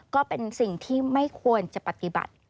ก็เป็นสิ่งที่ไม่ควรจะปฏิบัติ